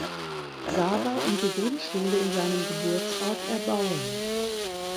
Sava und die Grundschule in seinem Geburtsort erbauen.